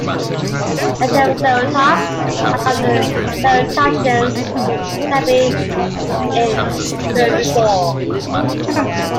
"Leptoceratops", like other ceratopsians, would have been an herbivore.